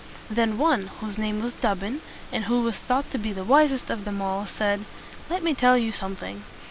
Then one, whose name was Dobbin, and who was thought to be the wisest of them all, said, "Let me tell you something.